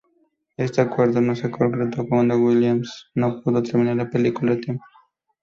Este acuerdo no se concretó cuando Williams no pudo terminar la película a tiempo.